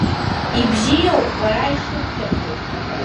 Ибзиоуп, бара ишыбҭаху…